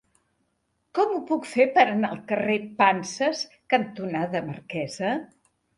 Com ho puc fer per anar al carrer Panses cantonada Marquesa?